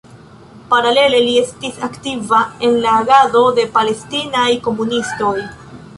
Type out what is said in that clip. Paralele li estis aktiva en la agado de palestinaj komunistoj.